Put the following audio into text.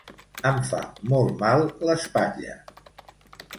Em fa molt mal l'espatlla.